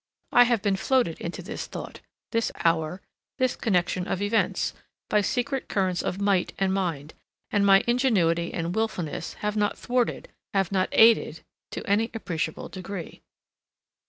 I have been floated into this thought, this hour, this connection of events, by secret currents of might and mind, and my ingenuity and wilfulness have not thwarted, have not aided to an appreciable degree.